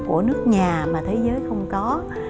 của nước nhà mà thế giới không có